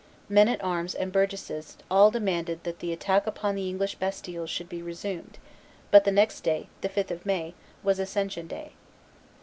Men at arms and burgesses all demanded that the attack upon the English hastilles should be resumed; but the next day, the 5th of May, was Ascension day.